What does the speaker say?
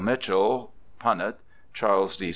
Mitchell, Punnett, Charles D.